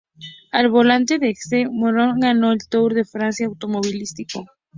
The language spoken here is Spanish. Al volante de un Essex, Morel ganó el "Tour de Francia Automovilístico".